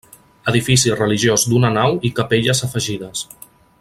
Edifici religiós d'una nau i capelles afegides.